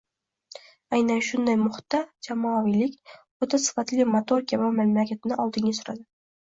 Aynan shunday muhitda jamoaviylik o‘ta sifatli motor kabi mamlakatni oldinga suradi.